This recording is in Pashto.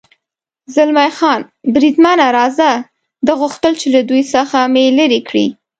زلمی خان: بریدمنه، راځه، ده غوښتل چې له دوی څخه مې لرې کړي.